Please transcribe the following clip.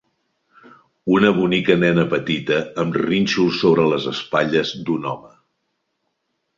Una bonica nena petita amb rínxols sobre les espatlles d'un home.